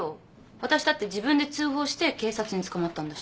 私だって自分で通報して警察に捕まったんだし。